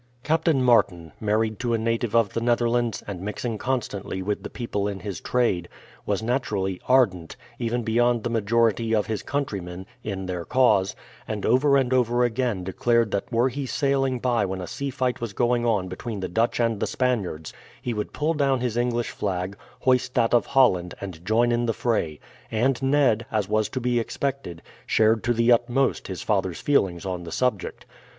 Captain Martin, married to a native of the Netherlands, and mixing constantly with the people in his trade, was naturally ardent, even beyond the majority of his countrymen, in their cause, and over and over again declared that were he sailing by when a sea fight was going on between the Dutch and the Spaniards, he would pull down his English flag, hoist that of Holland, and join in the fray; and Ned, as was to be expected, shared to the utmost his father's feelings on the subject.